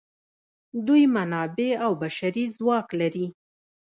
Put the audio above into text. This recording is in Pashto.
دوی منابع او بشري ځواک لري.